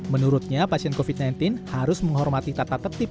menurutnya pasien covid sembilan belas harus menghormati tata tertib